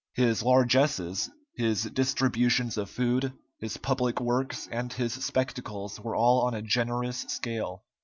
His largesses, his distributions of food, his public works, and his spectacles were all on a generous scale.